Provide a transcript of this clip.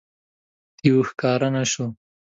دېو ښکاره نه شو.